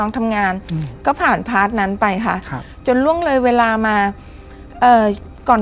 ทำงานอืมก็ผ่านพาร์ทนั้นไปค่ะครับจนล่วงเลยเวลามาเอ่อก่อน